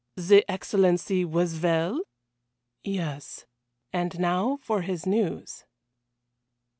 "The Excellency was well?" "Yes." And now for his news.